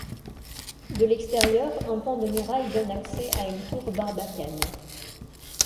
De l'extérieur, un pan de muraille donne accès à une tour barbacane.